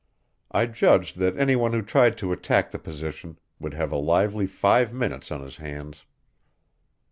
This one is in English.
I judged that any one who tried to attack the position would have a lively five minutes on his hands.